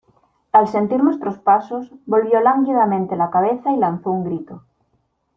al sentir nuestros pasos volvió lánguidamente la cabeza y lanzó un grito: